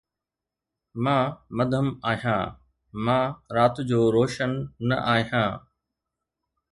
مان مدھم آھيان، مان رات جو روشن نه آھيان